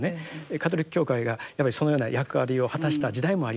カトリック教会がそのような役割を果たした時代もありましたし。